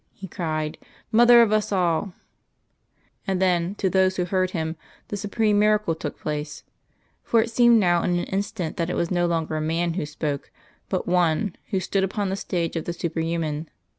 he cried. "Mother of us all " And then, to those who heard Him, the supreme miracle took place.... For it seemed now in an instant that it was no longer man who spoke, but One who stood upon the stage of the superhuman.